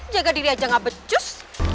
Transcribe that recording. jaga diri aja gak becus